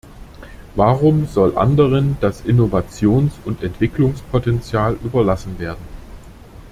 Warum soll anderen das Innovations- und Entwicklungspotenzial überlassen werden?